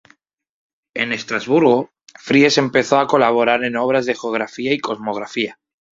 En Estrasburgo, Fries empezó a colaborar en obras de geografía y cosmografía.